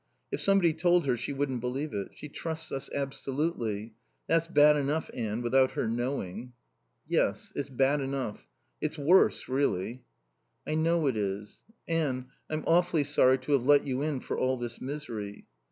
If somebody told her she wouldn't believe it. She trusts us absolutely.... That's bad enough, Anne, without her knowing." "Yes. It's bad enough. It's worse, really." "I know it is.... Anne I'm awfully sorry to have let you in for all this misery."